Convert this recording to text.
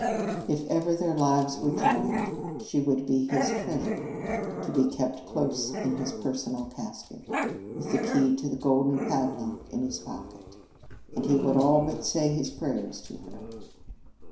If ever their lives were joined, she would be his treasure to be kept close in his personal casket, with the key to the golden padlock in his pocket, and he would all but say his prayers to her.